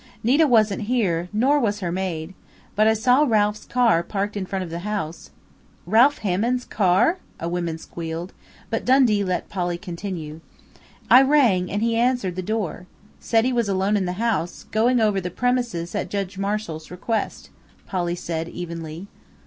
Nita wasn't here, nor was her maid, but I saw Ralph's car parked in front of the house " "Ralph Hammond's car?" a woman squealed, but Dundee let Polly continue. "I rang and he answered the door. Said he was alone in the house, going over the premises at Judge Marshall's request," Polly said evenly.